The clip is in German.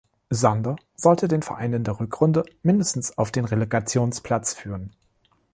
Sander sollte den Verein in der Rückrunde mindestens auf den Relegationsplatz führen.